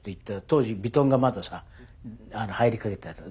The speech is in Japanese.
当時ヴィトンがまださ入りかけてたやつ。